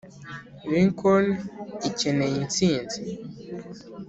lincoln ikeneye intsinzi